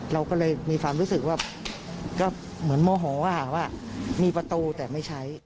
เราก็เลยมีความรู้สึกว่าก็เหมือนโมโหว่ามีประตูแต่ไม่ใช้